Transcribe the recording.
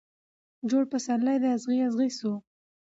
جوړ پسرلی دي اغزی اغزی سو